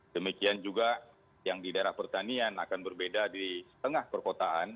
demikian juga yang di daerah pertanian akan berbeda di setengah perkotaan